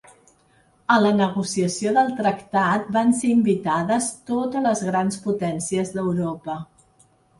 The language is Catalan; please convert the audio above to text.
A la negociació del tractat van ser invitades totes les Grans Potències d'Europa.